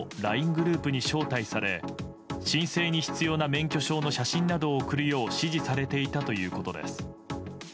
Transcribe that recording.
ＬＩＮＥグループに招待され申請に必要な免許証の写真などを送るよう指示されていたということです。